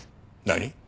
何？